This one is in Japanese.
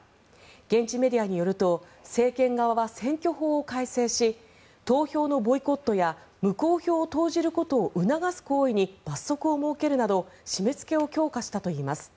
現地メディアによると政権側は選挙法を改正し投票のボイコットや無効票を投じることを促す行為に罰則を設けるなど締めつけを強化したといいます。